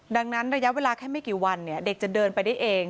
ดังนั้นระยะเวลาแค่ไม่กี่วันเด็กจะเดินไปได้เอง